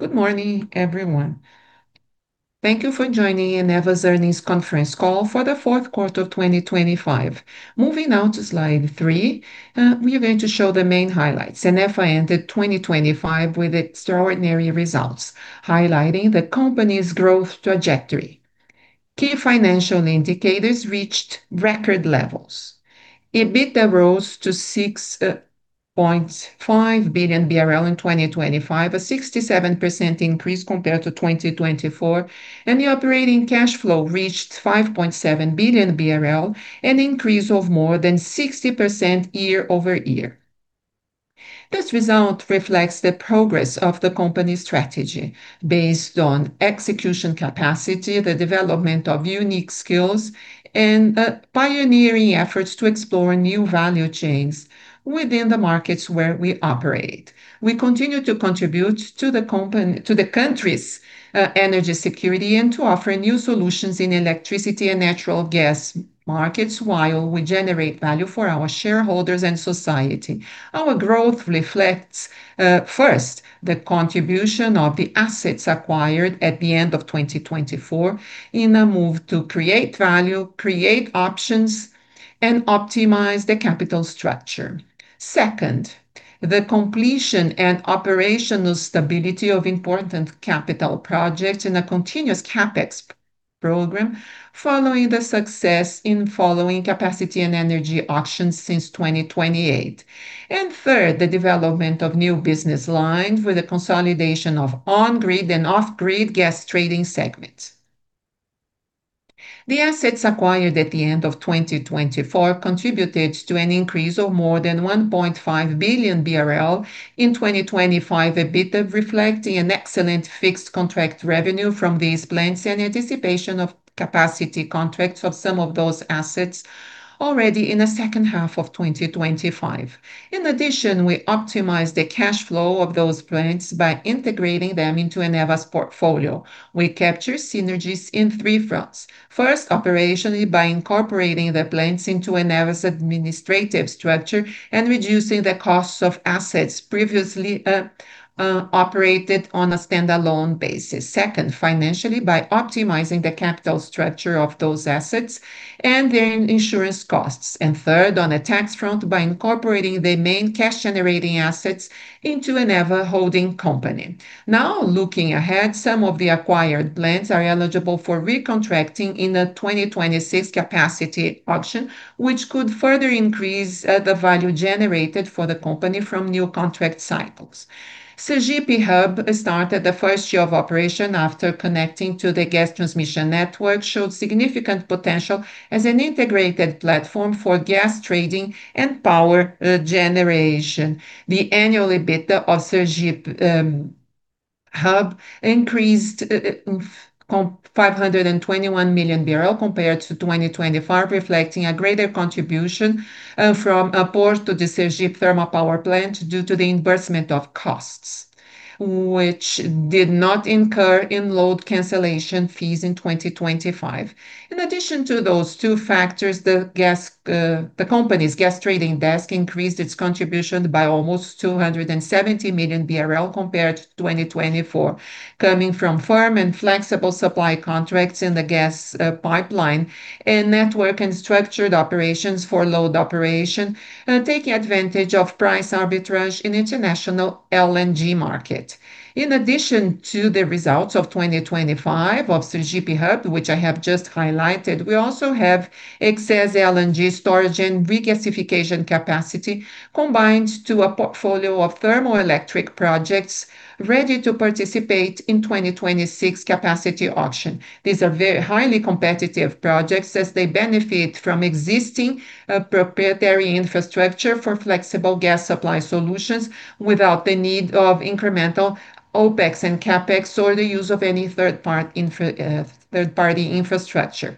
Good morning, everyone. Thank you for joining Eneva's earnings conference call for the fourth quarter of 2025. Moving now to slide three, we are going to show the main highlights. Eneva entered 2025 with extraordinary results, highlighting the company's growth trajectory. Key financial indicators reached record levels. EBITDA rose to 6.5 billion BRL in 2025, a 67% increase compared to 2024, and the operating cash flow reached 5.7 billion BRL, an increase of more than 60% year-over-year. This result reflects the progress of the company's strategy based on execution capacity, the development of unique skills and pioneering efforts to explore new value chains within the markets where we operate. We continue to contribute to the country's energy security and to offer new solutions in electricity and natural gas markets while we generate value for our shareholders and society. Our growth reflects, first, the contribution of the assets acquired at the end of 2024 in a move to create value, create options, and optimize the capital structure. Second, the completion and operational stability of important capital projects in a continuous CapEx program following the success in following capacity and energy auctions since 2028. Third, the development of new business lines with the consolidation of on-grid and off-grid gas trading segments. The assets acquired at the end of 2024 contributed to an increase of more than 1.5 billion BRL. In 2025, EBITDA reflecting an excellent fixed contract revenue from these plants and anticipation of capacity contracts of some of those assets already in the second half of 2025. In addition, we optimized the cash flow of those plants by integrating them into Eneva's portfolio. We capture synergies in three fronts. First, operationally, by incorporating the plants into Eneva's administrative structure and reducing the costs of assets previously operated on a standalone basis. Second, financially, by optimizing the capital structure of those assets and their insurance costs. Third, on a tax front, by incorporating the main cash-generating assets into Eneva holding company. Looking ahead, some of the acquired plants are eligible for recontracting in the 2026 capacity auction, which could further increase the value generated for the company from new contract cycles. Sergipe Hub started the first year of operation after connecting to the gas transmission network showed significant potential as an integrated platform for gas trading and power generation. The Annual EBITDA of Sergipe Hub increased 521 million compared to 2025, reflecting a greater contribution from a port to the Sergipe thermal power plant due to the reimbursement of costs, which did not incur in load cancellation fees in 2025. In addition to those two factors, the gas, the company's gas trading desk increased its contribution by almost 270 million BRL compared to 2024, coming from firm and flexible supply contracts in the gas pipeline and network and structured operations for load operation, taking advantage of price arbitrage in international LNG market. In addition to the results of 2025 of Sergipe Hub, which I have just highlighted, we also have excess LNG storage and regasification capacity combined to a portfolio of thermoelectric projects ready to participate in 2026 capacity auction. These are highly competitive projects as they benefit from existing proprietary infrastructure for flexible gas supply solutions without the need of incremental OpEx and CapEx or the use of any third-party infrastructure.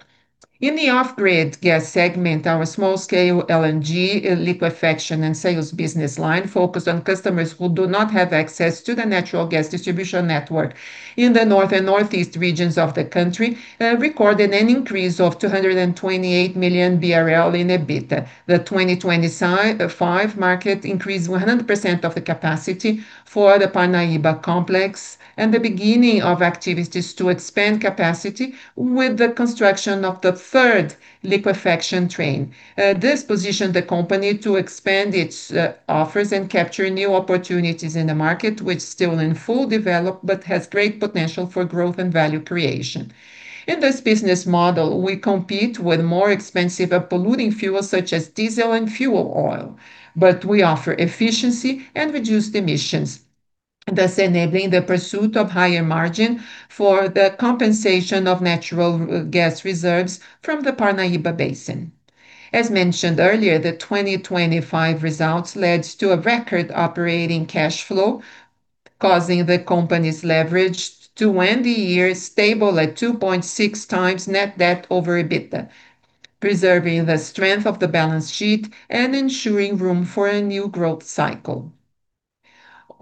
In the off-grid gas segment, our small scale LNG liquefaction and sales business line focused on customers who do not have access to the natural gas distribution network in the North and Northeast regions of the country, recorded an increase of 228 million BRL in EBITDA. The 2025 market increased 100% of the capacity for the Parnaíba complex and the beginning of activities to expand capacity with the construction of the third liquefaction train. This positioned the company to expand its offers and capture new opportunities in the market, which still in full develop but has great potential for growth and value creation. In this business model, we compete with more expensive and polluting fuels such as diesel and fuel oil, but we offer efficiency and reduced emissions, thus enabling the pursuit of higher margin for the compensation of natural gas reserves from the Parnaíba Basin. As mentioned earlier, the 2025 results led to a record operating cash flow, causing the company's leverage to end the year stable at 2.6x net-debt-over EBITDA, preserving the strength of the balance sheet and ensuring room for a new growth cycle.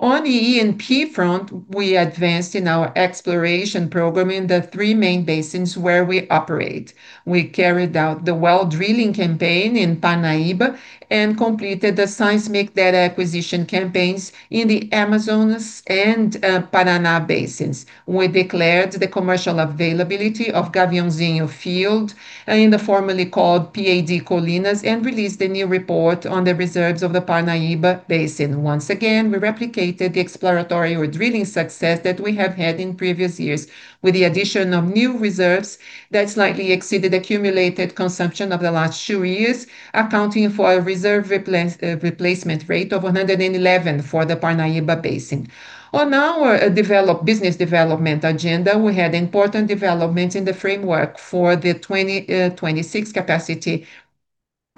On the E&P front, we advanced in our exploration program in the three main basins where we operate. We carried out the well drilling campaign in Parnaíba and completed the seismic data acquisition campaigns in the Amazonas and Paraná basins. We declared the commercial availability of Gaviãozinho field in the formerly called PAD Colinas, and released a new report on the reserves of the Parnaíba Basin. Once again, we replicated the exploratory or drilling success that we have had in previous years, with the addition of new reserves that slightly exceeded accumulated consumption over the last two years, accounting for a reserve replacement rate of 111 for the Parnaíba Basin. On our business development agenda, we had important developments in the framework for the 2026 capacity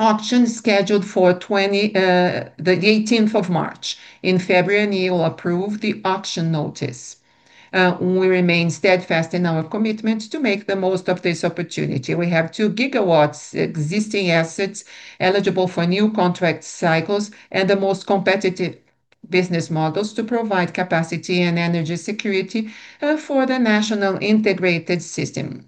auction scheduled for the 18th of March. In February, ANEEL approved the auction notice. We remain steadfast in our commitment to make the most of this opportunity. We have 2 GW existing assets eligible for new contract cycles and the most competitive business models to provide capacity and energy security for the national integrated system,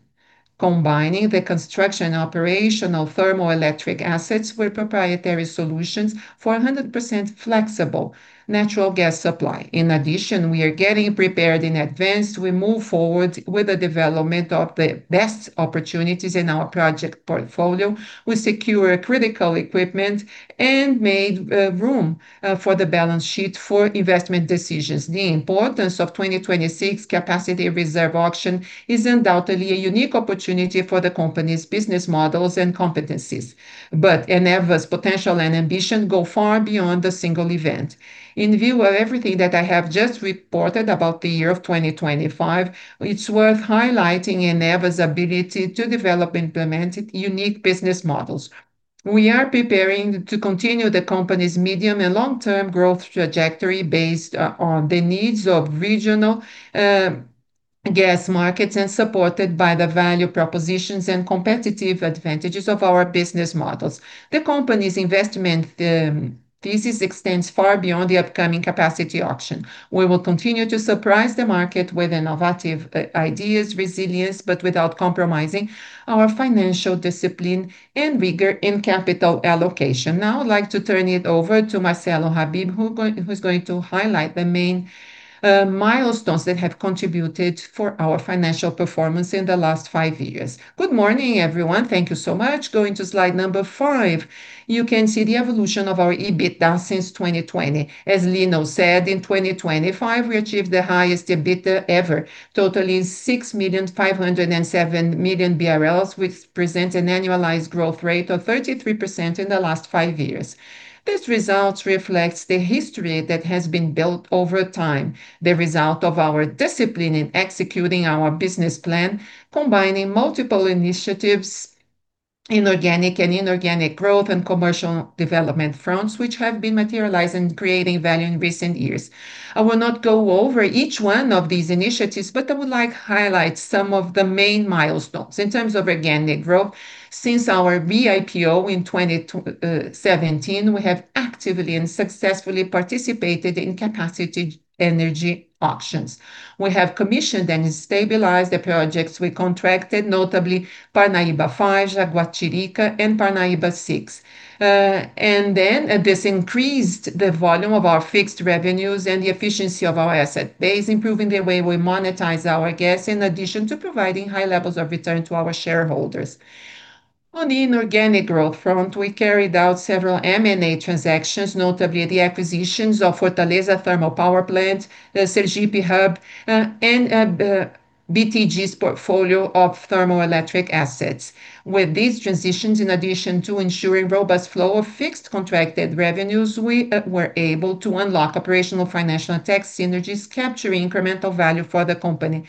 combining the construction operation of thermoelectric assets with proprietary solutions for 100% flexible natural gas supply. In addition, we are getting prepared in advance. We move forward with the development of the best opportunities in our project portfolio. We secure critical equipment and made room for the balance sheet for investment decisions. The importance of 2026 capacity reserve auction is undoubtedly a unique opportunity for the company's business models and competencies. Eneva's potential and ambition go far beyond a single event. In view of everything that I have just reported about the year of 2025, it's worth highlighting Eneva's ability to develop, implement unique business models. We are preparing to continue the company's medium and long-term growth trajectory based on the needs of regional gas markets and supported by the value propositions and competitive advantages of our business models. The company's investment thesis extends far beyond the upcoming capacity auction. We will continue to surprise the market with innovative ideas, resilience, but without compromising our financial discipline and rigor in capital allocation. I'd like to turn it over to Marcelo Habibe, who's going to highlight the main milestones that have contributed for our financial performance in the last five years. Good morning, everyone. Thank you so much. Going to slide number five, you can see the evolution of our EBITDA since 2020. As Lino said, in 2025, we achieved the highest EBITDA ever, totaling 6,507 million, which present an annualized growth rate of 33% in the last five years. This result reflects the history that has been built over time, the result of our discipline in executing our business plan, combining multiple initiatives, inorganic and organic growth and commercial development fronts, which have been materialized in creating value in recent years. I will not go over each one of these initiatives, but I would like highlight some of the main milestones. In terms of organic growth, since our IPO in 2017, we have actively and successfully participated in capacity energy auctions. We have commissioned and stabilized the projects we contracted, notably Parnaíba Five, Jaguatirica, and Parnaíba Six. This increased the volume of our fixed revenues and the efficiency of our asset base, improving the way we monetize our gas in addition to providing high levels of return to our shareholders. On the inorganic growth front, we carried out several M&A transactions, notably the acquisitions of Fortaleza Thermal Power Plant, the Sergipe Hub, and BTG's portfolio of thermoelectric assets. With these transactions, in addition to ensuring robust flow of fixed contracted revenues, we were able to unlock operational, financial, and tax synergies, capturing incremental value for the company.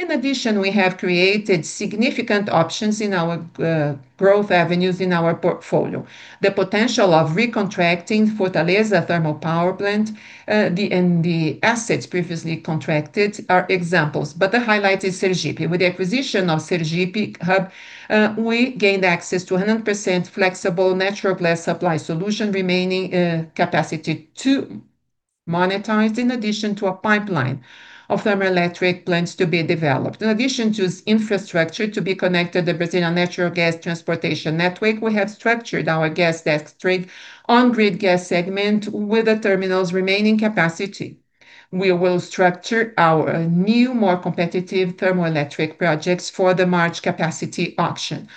We have created significant options in our growth avenues in our portfolio. The potential of recontracting Fortaleza Thermal Power Plant and the assets previously contracted are examples, but the highlight is Sergipe. With the acquisition of Sergipe Hub, we gained access to a 100% flexible natural gas supply solution, remaining capacity to monetize in addition to a pipeline of thermoelectric plants to be developed. In addition to infrastructure to be connected to Brazilian natural gas transportation network, we have structured our gas desk trade on grid gas segment with the terminal's remaining capacity. We will structure our new, more competitive thermoelectric projects for the March capacity auction.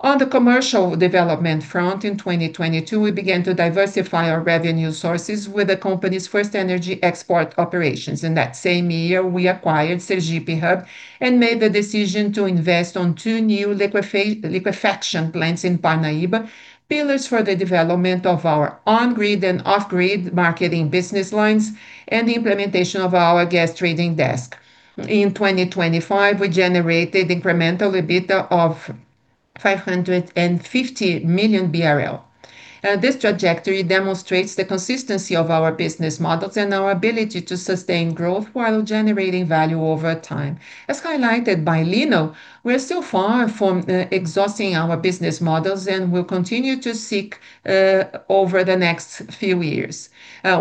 On the commercial development front in 2022, we began to diversify our revenue sources with the company's first energy export operations. In that same year, we acquired Sergipe Hub and made the decision to invest on two new liquefaction plants in Parnaíba, pillars for the development of our on-grid and off-grid marketing business lines and the implementation of our gas trading desk. In 2025, we generated incremental EBITDA of 550 million BRL. This trajectory demonstrates the consistency of our business models and our ability to sustain growth while generating value over time. As highlighted by Lino, we are still far from exhausting our business models and will continue to seek over the next few years.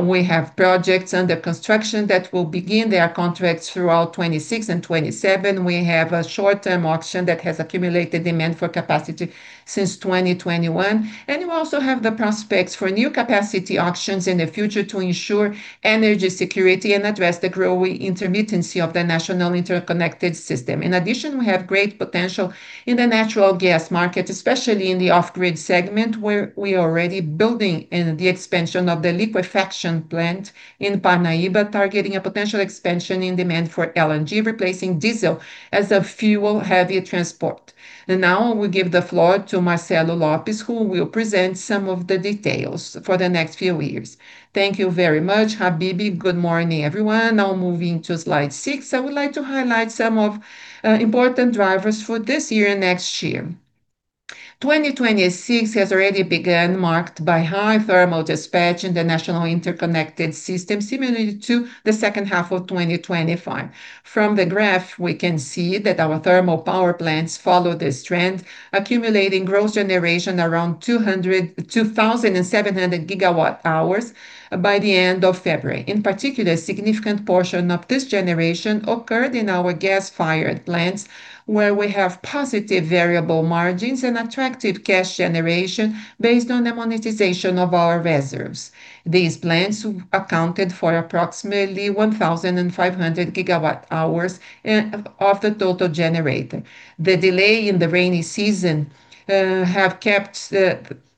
We have projects under construction that will begin their contracts throughout 2026 and 2027. We have a short-term auction that has accumulated demand for capacity since 2021. We also have the prospects for new capacity auctions in the future to ensure energy security and address the growing intermittency of the national interconnected system. In addition, we have great potential in the natural gas market, especially in the off-grid segment, where we are already building in the expansion of the liquefaction plant in Parnaíba, targeting a potential expansion in demand for LNG, replacing diesel as a fuel heavy transport. Now I will give the floor to Marcelo Lopes, who will present some of the details for the next few years. Thank you very much, Habibe. Good morning, everyone. Now moving to slide six, I would like to highlight some of important drivers for this year and next year. 2026 has already begun, marked by high thermal dispatch in the national interconnected system, similar to the second half of 2025. From the graph, we can see that our thermal power plants follow this trend, accumulating gross generation around 2,700 GWh by the end of February. In particular, a significant portion of this generation occurred in our gas-fired plants, where we have positive variable margins and attractive cash generation based on the monetization of our reserves. These plants accounted for approximately 1,500 GWh of the total generated. The delay in the rainy season have kept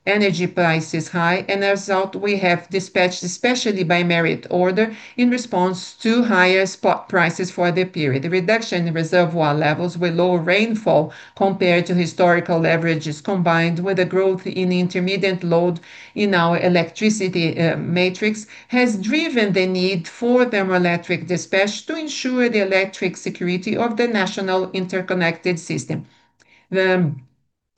the energy prices high. As a result, we have dispatched, especially by merit order, in response to higher spot prices for the period. The reduction in reservoir levels with lower rainfall compared to historical averages, combined with the growth in intermediate load in our electricity matrix, has driven the need for thermoelectric dispatch to ensure the electric security of the national interconnected system.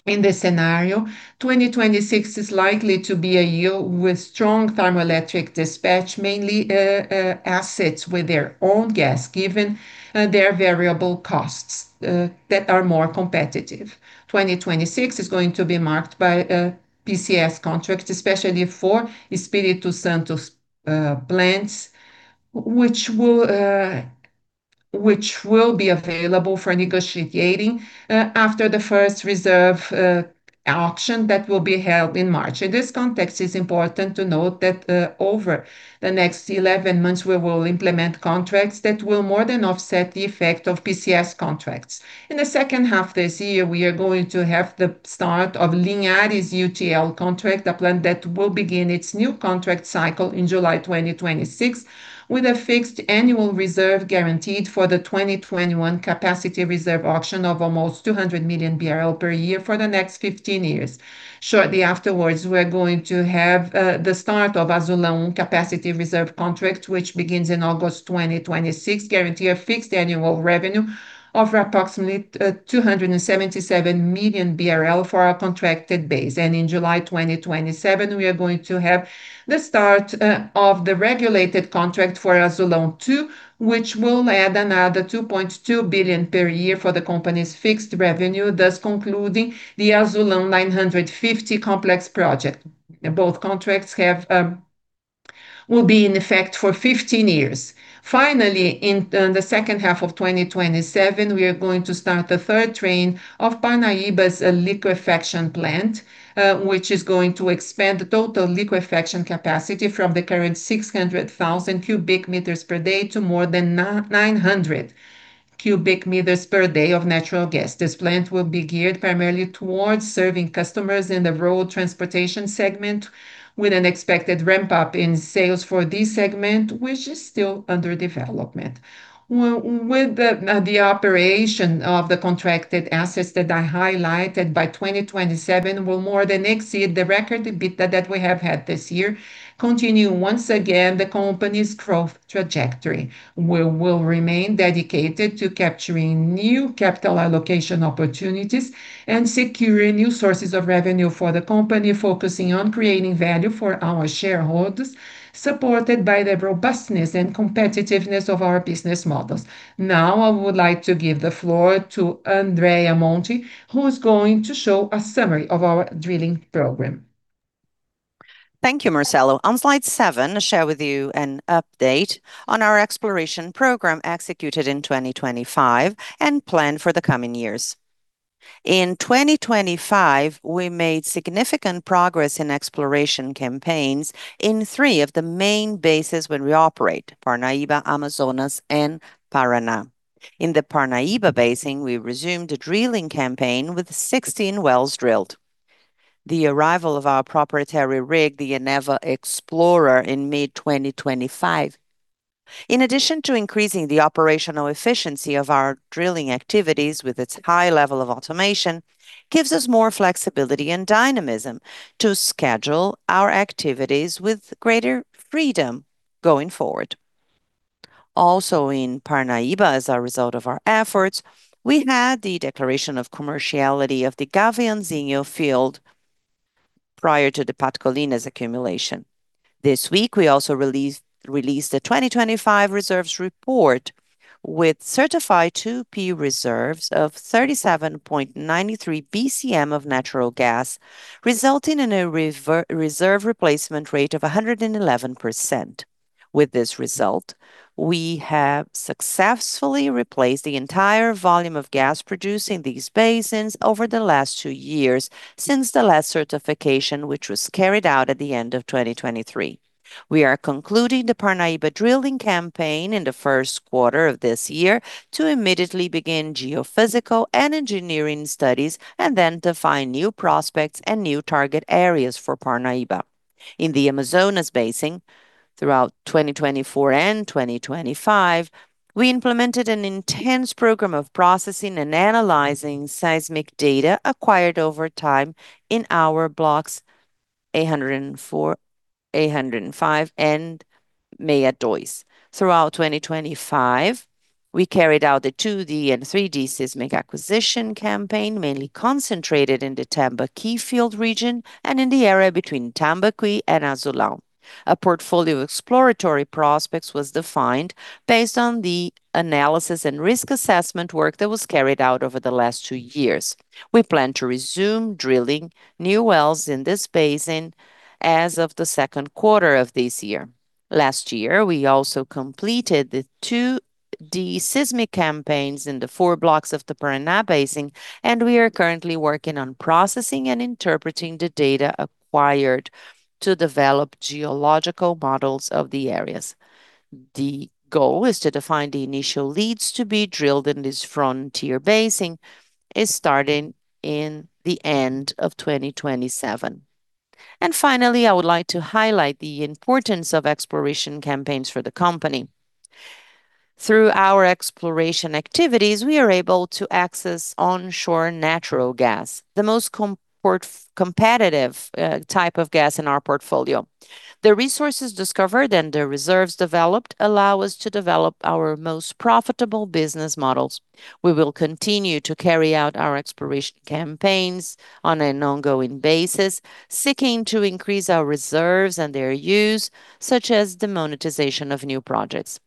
In this scenario, 2026 is likely to be a year with strong thermoelectric dispatch, mainly assets with their own gas given their variable costs that are more competitive. 2026 is going to be marked by PCS contracts, especially for Espírito Santo plants, which will be available for negotiating after the first reserve auction that will be held in March. In this context, it's important to note that, over the next 11 months, we will implement contracts that will more than offset the effect of PCS contracts. In the second half this year, we are going to have the start of Linhares UTE contract, a plant that will begin its new contract cycle in July 2026, with a fixed annual reserve guaranteed for the 2021 capacity reserve auction of almost 200 million barrel per year for the next 15 years. Shortly afterwards, we are going to have the start of Azulão Capacity Reserve Contract, which begins in August 2026, guarantee a fixed annual revenue of approximately 277 million barrel for our contracted base. In July 2027, we are going to have the start of the regulated contract for Azulão II, which will add another 2.2 billion per year for the company's fixed revenue, thus concluding the Azulão 950 complex project. Both contracts will be in effect for 15 years. Finally, in the second half of 2027, we are going to start the third train of Parnaíba's liquefaction plant, which is going to expand the total liquefaction capacity from the current 600,000 cubic meters per day to more than 900 cubic meters per day of natural gas. This plant will be geared primarily towards serving customers in the road transportation segment, with an expected ramp-up in sales for this segment, which is still under development. With the operation of the contracted assets that I highlighted, by 2027, will more than exceed the record, the bit that we have had this year, continuing once again the company's growth trajectory. We will remain dedicated to capturing new capital allocation opportunities and securing new sources of revenue for the company, focusing on creating value for our shareholders, supported by the robustness and competitiveness of our business models. I would like to give the floor to Andrea Monte, who is going to show a summary of our drilling program. Thank you, Marcelo. On slide seven, I share with you an update on our exploration program executed in 2025 and planned for the coming years. In 2025, we made significant progress in exploration campaigns in three of the main bases where we operate, Parnaíba, Amazonas, and Paraná. In the Parnaíba Basin, we resumed the drilling campaign with 16 wells drilled. The arrival of our proprietary rig, the Eneva Explorer, in mid-2025, in addition to increasing the operational efficiency of our drilling activities with its high level of automation, gives us more flexibility and dynamism to schedule our activities with greater freedom going forward. Also in Parnaíba, as a result of our efforts, we had the declaration of commerciality of the Gaviãozinho field prior to the PAD Colinas accumulation. This week, we also released the 2025 reserves report with certified 2P reserves of 37.93 BCM of natural gas, resulting in a reserve replacement rate of 111%. With this result, we have successfully replaced the entire volume of gas produced in these basins over the last two years since the last certification, which was carried out at the end of 2023. We are concluding the Parnaíba drilling campaign in the first quarter of this year to immediately begin geophysical and engineering studies, and then define new prospects and new target areas for Parnaíba. In the Amazonas Basin, throughout 2024 and 2025, we implemented an intense program of processing and analyzing seismic data acquired over time in our blocks 804, 805, and Meia Dois. Throughout 2025, we carried out the 2D and 3D seismic acquisition campaign, mainly concentrated in the Tambaqui field region and in the area between Tambaqui and Azulão. A portfolio of exploratory prospects was defined based on the analysis and risk assessment work that was carried out over the last two years. We plan to resume drilling new wells in this basin as of the second quarter of this year. Last year, we also completed the 2D seismic campaigns in the four blocks of the Paraná Basin, we are currently working on processing and interpreting the data acquired to develop geological models of the areas. The goal is to define the initial leads to be drilled in this frontier basin is starting in the end of 2027. Finally, I would like to highlight the importance of exploration campaigns for the company. Through our exploration activities, we are able to access onshore natural gas, the most competitive type of gas in our portfolio. The resources discovered and the reserves developed allow us to develop our most profitable business models. We will continue to carry out our exploration campaigns on an ongoing basis, seeking to increase our reserves and their use, such as the monetization of new projects.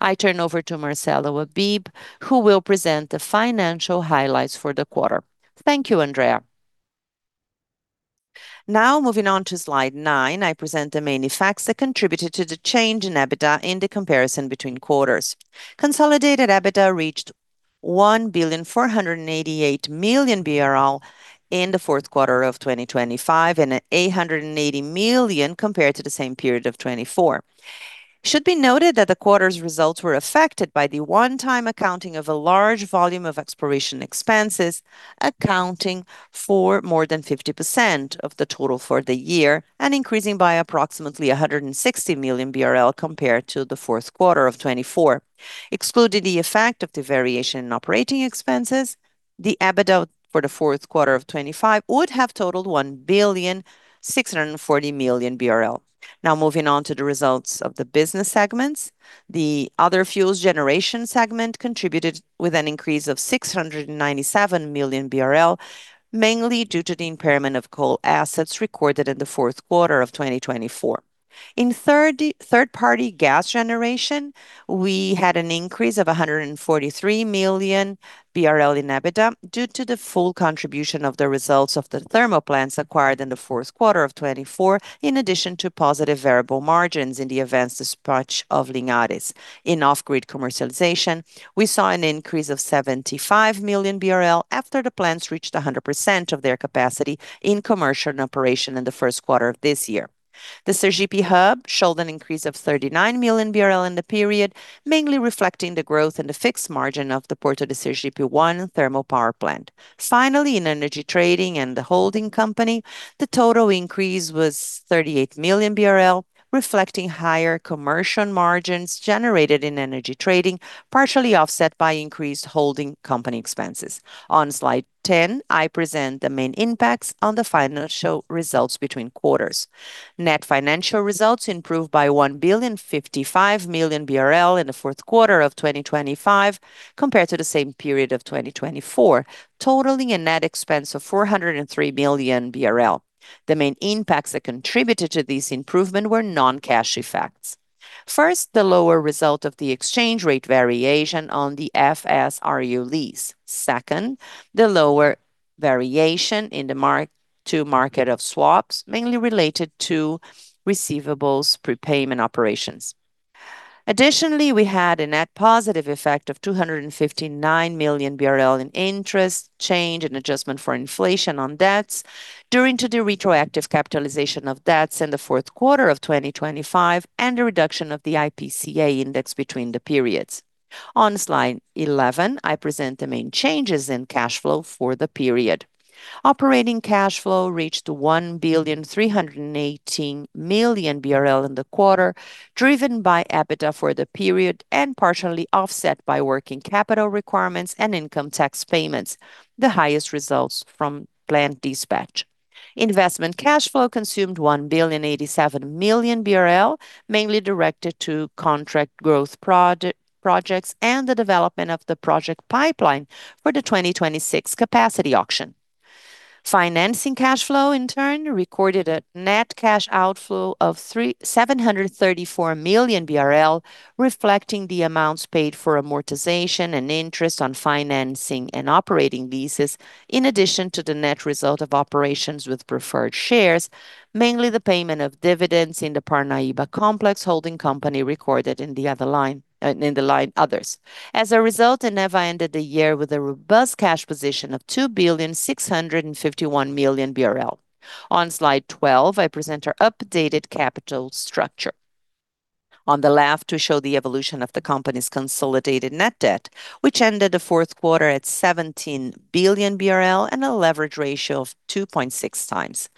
I turn over to Marcelo Habibe, who will present the financial highlights for the quarter. Thank you, Andrea. Moving on to slide nine, I present the main effects that contributed to the change in EBITDA in the comparison between quarters. Consolidated EBITDA reached 1,488 million BRL in the fourth quarter of 2025, and at 880 million compared to the same period of 2024. It should be noted that the quarter's results were affected by the one-time accounting of a large volume of exploration expenses, accounting for more than 50% of the total for the year and increasing by approximately 160 million BRL compared to the fourth quarter of 2024. Excluded the effect of the variation in OpEx, the EBITDA for the fourth quarter of 2025 would have totaled 1.64 billion. Now, moving on to the results of the business segments. The Other Fuels Generation segment contributed with an increase of 697 million BRL, mainly due to the impairment of coal assets recorded in the fourth quarter of 2024. In third-party gas generation, we had an increase of 143 million BRL in EBITDA due to the full contribution of the results of the thermal plants acquired in the fourth quarter of 2024, in addition to positive variable margins in the events dispatch of Linhares. In off-grid commercialization, we saw an increase of 75 million BRL after the plants reached 100% of their capacity in commercial operation in the first quarter of this year. The Sergipe Hub showed an increase of 39 million BRL in the period, mainly reflecting the growth in the fixed margin of the Porto de Sergipe I thermal power plant. In Energy Trading and the Holding Company, the total increase was 38 million BRL, reflecting higher commercial margins generated in Energy Trading, partially offset by increased holding company expenses. On Slide 10, I present the main impacts on the financial results between quarters. Net financial results improved by 1,055 million BRL in the fourth quarter of 2025 compared to the same period of 2024, totaling a net expense of 403 million BRL. The main impacts that contributed to this improvement were non-cash effects. First, the lower result of the exchange rate variation on the FSRU lease. Second, the lower variation in the mark to market of swaps, mainly related to receivables prepayment operations. Additionally, we had a net positive effect of 259 million BRL in interest change and adjustment for inflation on debts during to the retroactive capitalization of debts in the fourth quarter of 2025 and the reduction of the IPCA index between the periods. On Slide 11, I present the main changes in cash flow for the period. Operating cash flow reached 1.318 billion in the quarter, driven by EBITDA for the period and partially offset by working capital requirements and income tax payments, the highest results from plant dispatch. Investment cash flow consumed 1.087 billion, mainly directed to contract growth projects and the development of the project pipeline for the 2026 capacity auction. Financing cash flow, in turn, recorded a net cash outflow of 734 million BRL, reflecting the amounts paid for amortization and interest on financing and operating leases, in addition to the net result of operations with preferred shares, mainly the payment of dividends in the Parnaíba complex holding company recorded in the other line, in the line Others. As a result, Eneva ended the year with a robust cash position of 2,651 million BRL. On slide 12, I present our updated capital structure. On the left, we show the evolution of the company's consolidated net debt, which ended the fourth quarter at 17 billion BRL and a leverage ratio of 2.6x.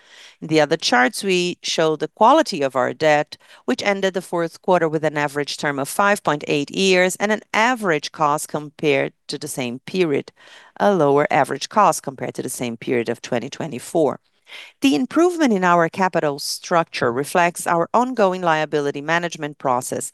In the other charts, we show the quality of our debt, which ended the fourth quarter with an average term of 5.8 years and an average cost compared to the same period. A lower average cost compared to the same period of 2024. The improvement in our capital structure reflects our ongoing liability management process,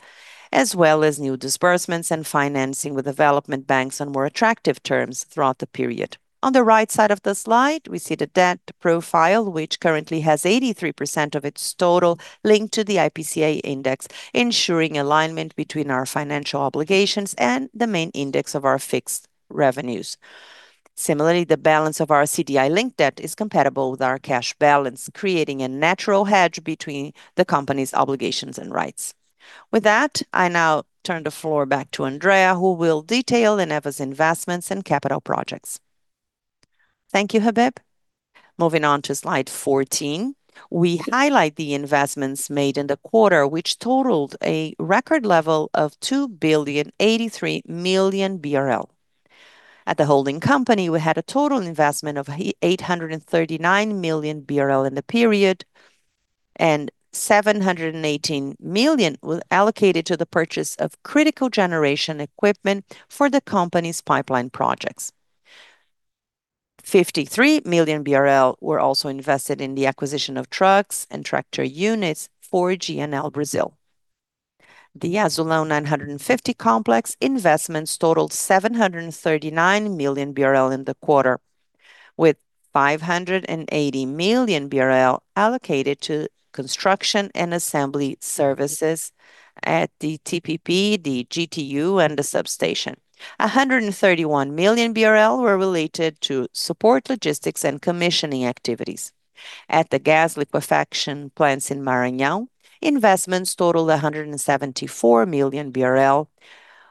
as well as new disbursements and financing with development banks on more attractive terms throughout the period. On the right side of the slide, we see the debt profile, which currently has 83% of its total linked to the IPCA index, ensuring alignment between our financial obligations and the main index of our fixed revenues. Similarly, the balance of our CDI-linked debt is compatible with our cash balance, creating a natural hedge between the company's obligations and rights. I now turn the floor back to Andrea, who will detail Eneva's investments and capital projects. Thank you, Habibe. Moving on to slide 14, we highlight the investments made in the quarter, which totaled a record level of 2,083 million BRL. At the holding company, we had a total investment of 839 million BRL in the period, and 718 million was allocated to the purchase of critical generation equipment for the company's pipeline projects. 53 million BRL were also invested in the acquisition of trucks and tractor units for GNL Brasil. The Azulão 950 complex investments totaled 739 million BRL in the quarter, with 580 million BRL allocated to construction and assembly services at the TPP, the GTU, and the substation. 131 million BRL were related to support logistics and commissioning activities. At the gas liquefaction plants in Maranhão, investments totaled 174 million BRL,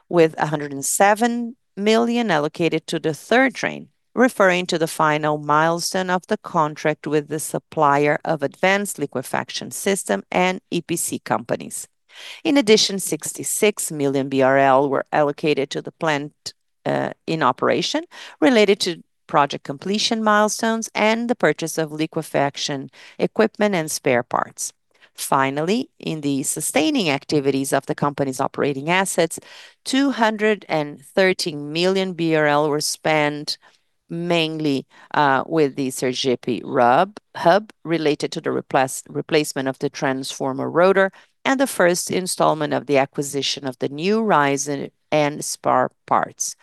with 107 million allocated to the third train, referring to the final milestone of the contract with the supplier of advanced liquefaction system and EPC companies. In addition, 66 million BRL were allocated to the plant in operation related to project completion milestones and the purchase of liquefaction equipment and spare parts. Finally, in the sustaining activities of the company's operating assets, 230 million BRL were spent mainly with the Sergipe Hub related to the replacement of the transformer rotor and the first installment of the acquisition of the new riser and spare parts.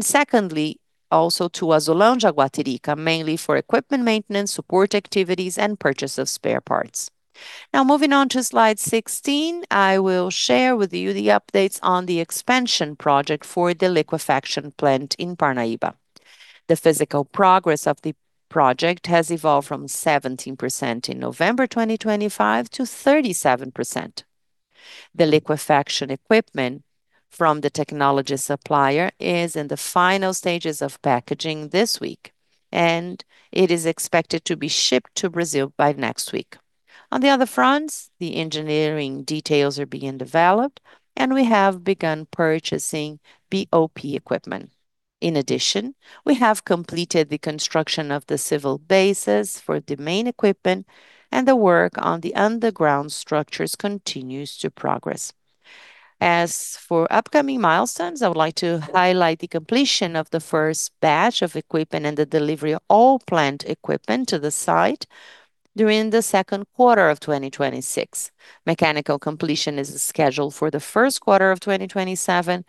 Secondly, also to Azulão-Jaguatirica, mainly for equipment maintenance, support activities, and purchase of spare parts. Now, moving on to Slide 16, I will share with you the updates on the expansion project for the liquefaction plant in Parnaíba. The physical progress of the project has evolved from 17% in November 2025 to 37%. The liquefaction equipment from the technology supplier is in the final stages of packaging this week, and it is expected to be shipped to Brazil by next week. On the other fronts, the engineering details are being developed, and we have begun purchasing BOP equipment. In addition, we have completed the construction of the civil bases for the main equipment, and the work on the underground structures continues to progress. As for upcoming milestones, I would like to highlight the completion of the first batch of equipment and the delivery of all plant equipment to the site during the second quarter of 2026. Mechanical completion is scheduled for the first quarter of 2027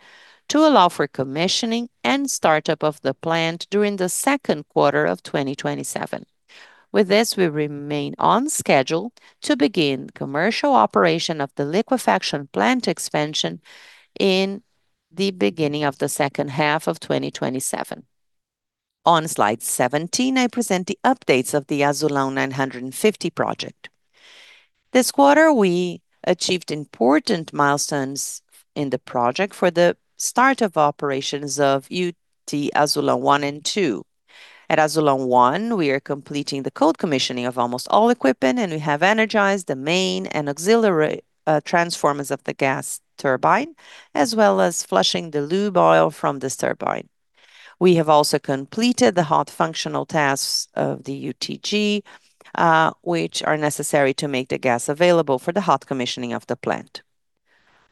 to allow for commissioning and startup of the plant during the second quarter of 2027. With this, we remain on schedule to begin commercial operation of the liquefaction plant expansion in the beginning of the second half of 2027. On Slide 17, I present the updates of the Azulão 950 project. This quarter, we achieved important milestones in the project for the start of operations of UTE Azulão I and II. At Azulão I, we are completing the cold commissioning of almost all equipment. We have energized the main and auxiliary transformers of the gas turbine, as well as flushing the lube oil from this turbine. We have also completed the hot functional tests of the UTG, which are necessary to make the gas available for the hot commissioning of the plant.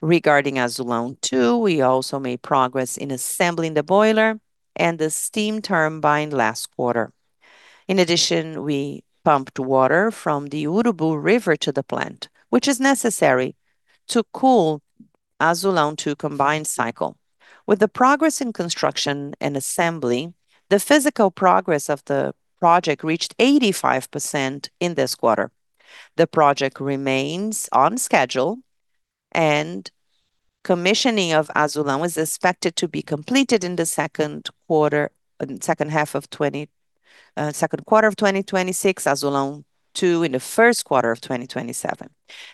Regarding Azulão II, we also made progress in assembling the boiler and the steam turbine last quarter. In addition, we pumped water from the Urubu River to the plant, which is necessary to cool Azulão II combined cycle. With the progress in construction and assembly, the physical progress of the project reached 85% in this quarter. The project remains on schedule. Commissioning of Azulão is expected to be completed in the second quarter, second half of 20... second quarter of 2026, Azulão II in the first quarter of 2027.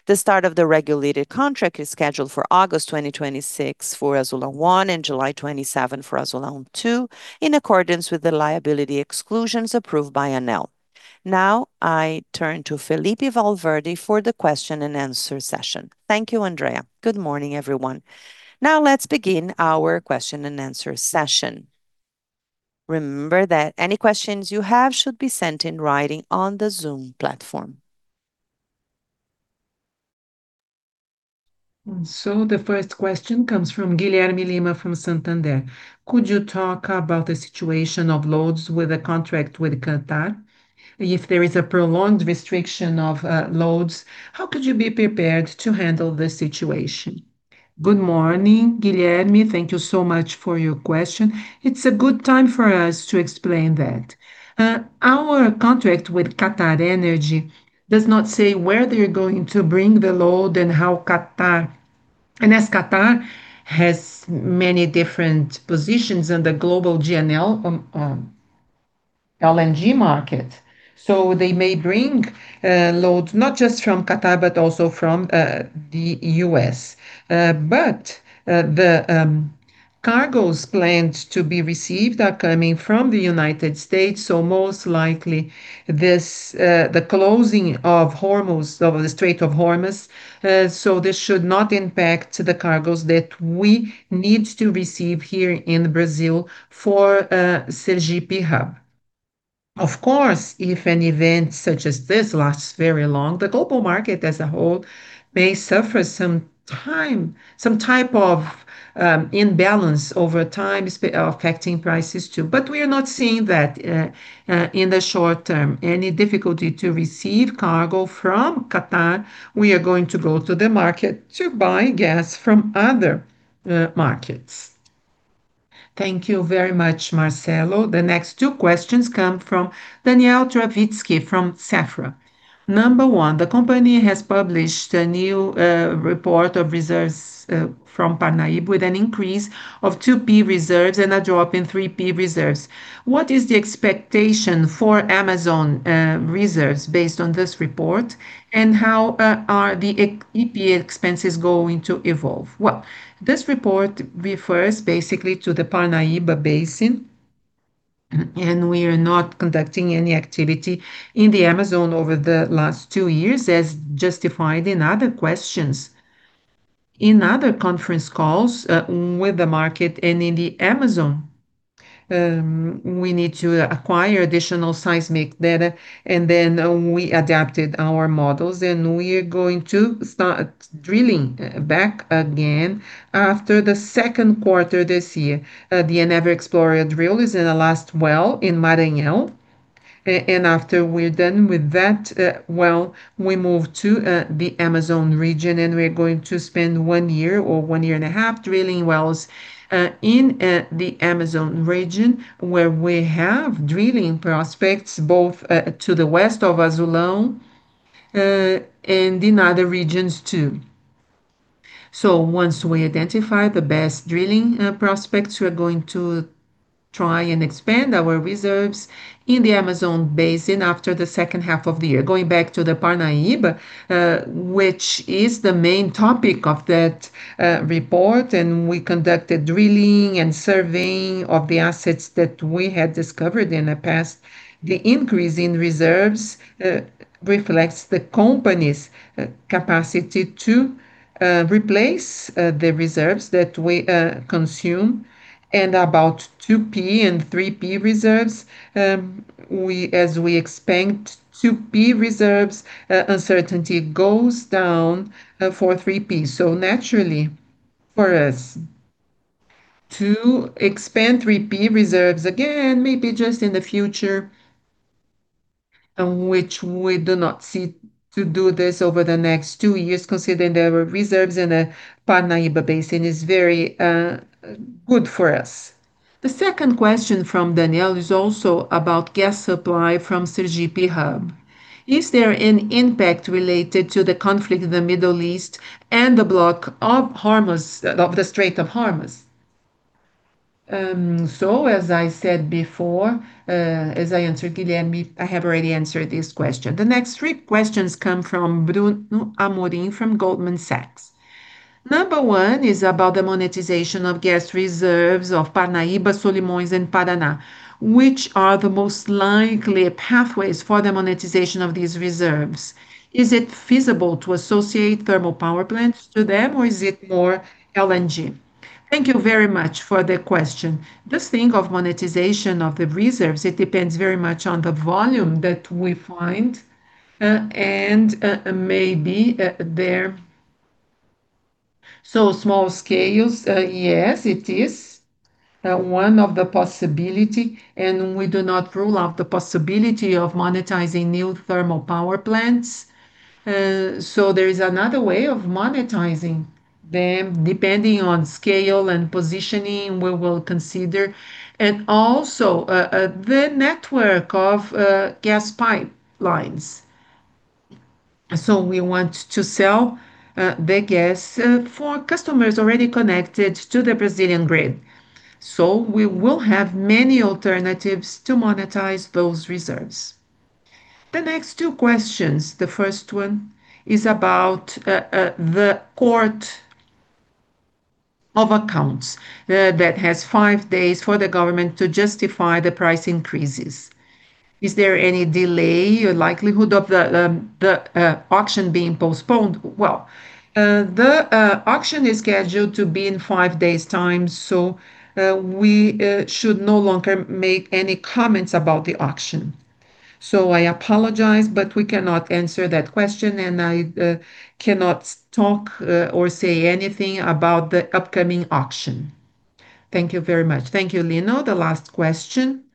The start of the regulated contract is scheduled for August 2026 for Azulão I and July 2027 for Azulão II, in accordance with the liability exclusions approved by ANEEL. I turn to Felipe Valverde for the question-and-answer session. Thank you, Andrea. Good morning, everyone. Let's begin our question-and-answer session. Remember that any questions you have should be sent in writing on the Zoom platform. The first question comes from Guilherme Lima from Santander. Could you talk about the situation of loads with a contract with Qatar? If there is a prolonged restriction of loads, how could you be prepared to handle the situation? Good morning, Guilherme. Thank you so much for your question. It's a good time for us to explain that. Our contract with QatarEnergy does not say where they're going to bring the load. As Qatar has many different positions in the global GNL LNG market, they may bring loads not just from Qatar, but also from the U.S. The cargoes planned to be received are coming from the United States, most likely this, the closing of Hormuz, of the Strait of Hormuz, this should not impact the cargoes that we need to receive here in Brazil for Sergipe Hub. Of course, if an event such as this lasts very long, the global market as a whole may suffer some time, some type of imbalance over time affecting prices too. We are not seeing that in the short term. Any difficulty to receive cargo from Qatar, we are going to go to the market to buy gas from other markets. Thank you very much, Marcelo. The next two questions come from Daniel Travitzky from Safra. Number one, the company has published a new report of reserves from Parnaíba with an increase of 2P reserves and a drop in 3P reserves. What is the expectation for Amazon reserves based on this report, and how are the E&P expenses going to evolve? Well, this report refers basically to the Parnaíba Basin, and we are not conducting any activity in the Amazon over the last two years, as justified in other questions. In other conference calls, with the market and in the Amazon, we need to acquire additional seismic data, and then we adapted our models, and we are going to start drilling back again after the second quarter this year. The Eneva Explorer drill is in the last well in Maranhão. Well, after we're done with that, we move to the Amazon region, we're going to spend one year or one year and a half drilling wells in the Amazon region, where we have drilling prospects both to the west of Azulão and in other regions too. Once we identify the best drilling prospects, we are going to try and expand our reserves in the Amazonas Basin after the second half of the year. Going back to the Parnaíba, which is the main topic of that report, we conducted drilling and surveying of the assets that we had discovered in the past. The increase in reserves reflects the company's capacity to replace the reserves that we consume. and 3P reserves, we, as we expand 2P reserves, uncertainty goes down for 3P. Naturally for us to expand 3P reserves again, maybe just in the future, which we do not seek to do this over the next two years, considering there are reserves in the Parnaíba Basin, is very good for us. The second question from Daniel is also about gas supply from Sergipe Hub. Is there an impact related to the conflict in the Middle East and the block of Hormuz, of the Strait of Hormuz? As I said before, as I answered Guilherme, I have already answered this question. The next 3 questions come from Bruno Amorim from Goldman Sachs. Number one is about the monetization of gas reserves of Parnaíba, Solimões, and Paraná. Which are the most likely pathways for the monetization of these reserves? Is it feasible to associate thermal power plants to them, or is it more LNG? Thank you very much for the question. This thing of monetization of the reserves, it depends very much on the volume that we find, and maybe there so small scales, yes, it is. One of the possibility, and we do not rule out the possibility of monetizing new thermal power plants. There is another way of monetizing them, depending on scale and positioning we will consider. Also, the network of gas pipelines. We want to sell the gas for customers already connected to the Brazilian grid. We will have many alternatives to monetize those reserves. The next two questions, the first one is about the court of accounts that has five days for the government to justify the price increases. Is there any delay or likelihood of the auction being postponed? Well, the auction is scheduled to be in five days' time, so we should no longer make any comments about the auction. I apologize, but we cannot answer that question, and I cannot talk or say anything about the upcoming auction. Thank you very much. Thank you, Lino. The last question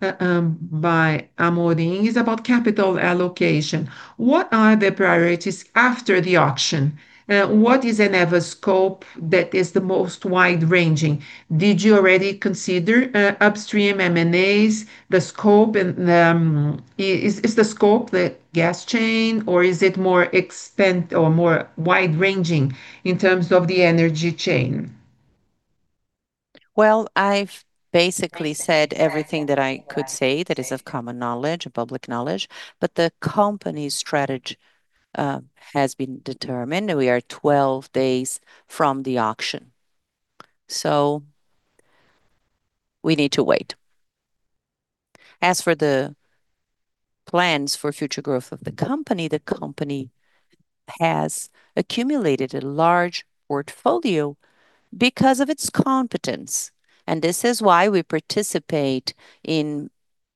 by Amorim is about capital allocation. What are the priorities after the auction? What is Eneva's scope that is the most wide-ranging? Did you already consider upstream M&As, the scope and is the scope the gas chain or is it more extent or more wide-ranging in terms of the energy chain? Well, I've basically said everything that I could say that is of common knowledge, public knowledge. The company's strategy has been determined, and we are 12 days from the auction, so we need to wait. For the plans for future growth of the company, the company has accumulated a large portfolio because of its competence, and this is why we participate in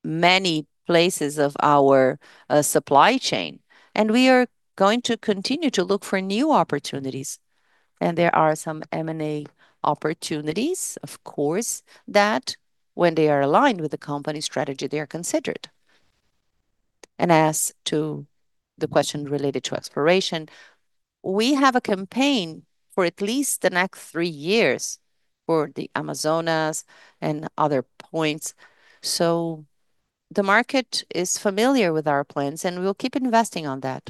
many places of our supply chain. We are going to continue to look for new opportunities. There are some M&A opportunities, of course, that when they are aligned with the company's strategy, they are considered. As to the question related to exploration, we have a campaign for at least the next three years for the Amazonas and other points. The market is familiar with our plans, and we'll keep investing on that.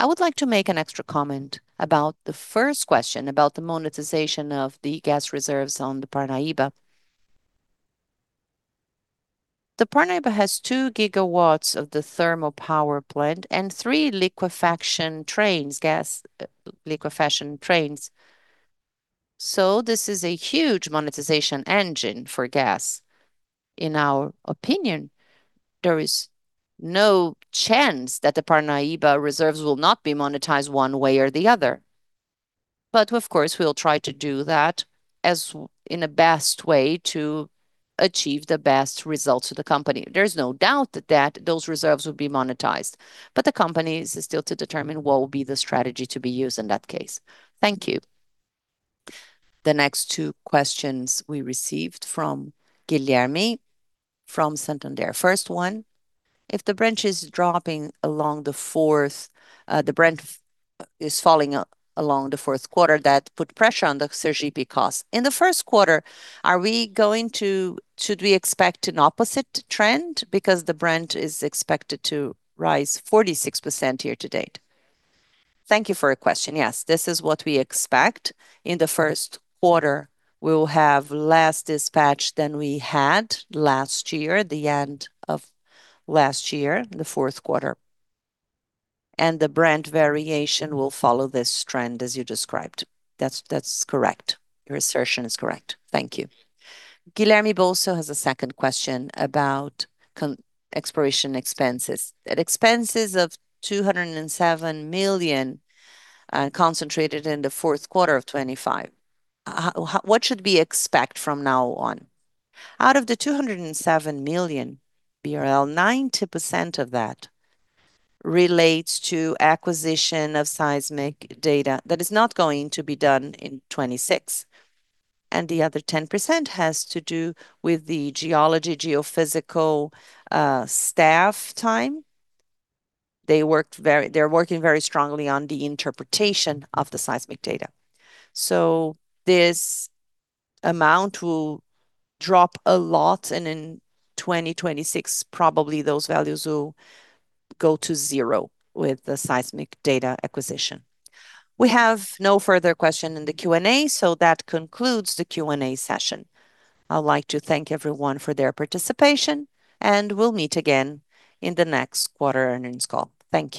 I would like to make an extra comment about the first question, about the monetization of the gas reserves on the Parnaíba. The Parnaíba has 2 GW of the thermal power plant and three liquefaction trains, gas liquefaction trains. This is a huge monetization engine for gas. In our opinion, there is no chance that the Parnaíba reserves will not be monetized one way or the other. Of course, we'll try to do that as in a best way to achieve the best results for the company. There's no doubt that those reserves will be monetized, but the company is still to determine what will be the strategy to be used in that case. Thank you. The next two questions we received from Guilherme from Santander. First one, if the branch is dropping along the fourth, the branch is falling along the fourth quarter, that put pressure on the Sergipe cost. In the first quarter, should we expect an opposite trend because the branch is expected to rise 46% year-to-date? Thank you for your question. Yes, this is what we expect. In the first quarter, we will have less dispatch than we had last year, the end of last year, the fourth quarter. The Brent variation will follow this trend as you described. That's correct. Your assertion is correct. Thank you. Guilherme also has a second question about exploration expenses. At expenses of 207 million concentrated in the fourth quarter of 2025, what should we expect from now on? Out of the 207 million BRL, 90% of that relates to acquisition of seismic data that is not going to be done in 2026, and the other 10% has to do with the geology, geophysical staff time. They're working very strongly on the interpretation of the seismic data. This amount will drop a lot, and in 2026, probably those values will go to zero with the seismic data acquisition. We have no further question in the Q&A, so that concludes the Q&A session. I'd like to thank everyone for their participation, and we'll meet again in the next quarter earnings call. Thank you.